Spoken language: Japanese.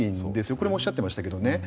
これもおっしゃってましたけどね。